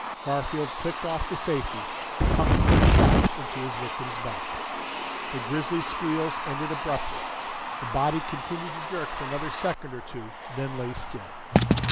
Garfield clicked off the safety, pumped three shots into his victim's back. The grisly squeals ended abruptly. The body continued to jerk for another second or two, then lay still.